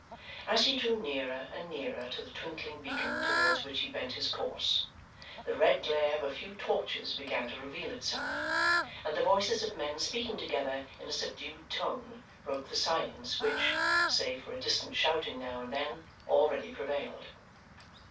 As he drew nearer and nearer to the twinkling beacon towards which he bent his course, the red glare of a few torches began to reveal itself, and the voices of men speaking together in a subdued tone broke the silence which, save for a distant shouting now and then, already prevailed.